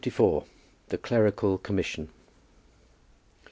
THE CLERICAL COMMISSION.